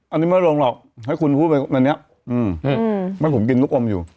อันนี้ไม่รู้หรอกให้คุณพูดแบบนี้ว่าผมกินลูกอมอยู่